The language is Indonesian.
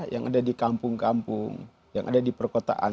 yang ada di kampung kampung yang ada di perkotaan